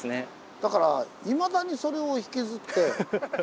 だからいまだにそれを引きずって。